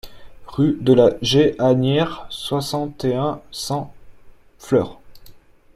Rue de la Jéhannière, soixante et un, cent Flers